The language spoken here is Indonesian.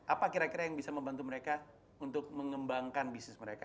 apa kira kira yang bisa membantu mereka untuk mengembangkan bisnis mereka